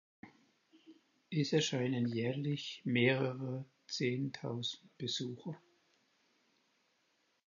Es erscheinen jährlich mehrere Zehntausend Besucher.